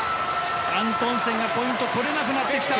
アントンセンがポイントを取れなくなってきた。